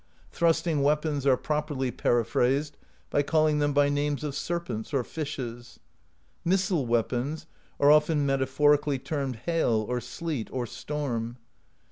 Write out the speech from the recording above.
Thrusting weapons are properly periphrased by calling them by names of ser pents or fishes. Missile weapons are often metaphorically termed hail or sleet or storm.